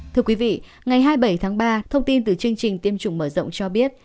thưa quý vị ngày hai mươi bảy tháng ba thông tin từ chương trình tiêm chủng mở rộng cho biết